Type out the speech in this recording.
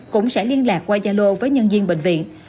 cũng sẽ liên lạc qua yalo với nhân viên bệnh viện